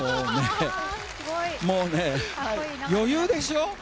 もうね、余裕でしょう。